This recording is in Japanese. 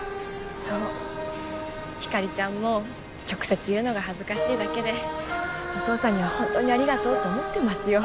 そうひかりちゃんも直接言うのが恥ずかしいだけでお父さんには本当にありがとうって思ってますよ